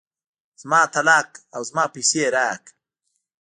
زما طلاق او زما پيسې راکه.